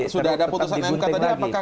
sudah ada putusan mk tadi apakah